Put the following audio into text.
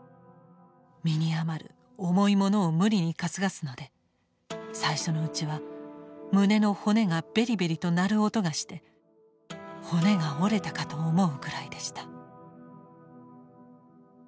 身に余る重いものを無理に担がすので最初のうちは胸の骨がベリベリとなる音がして骨が折れたかと思うくらいでした」。